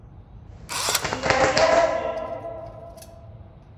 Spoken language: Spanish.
Italia Sci.